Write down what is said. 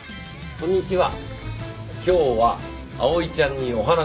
こんにちは。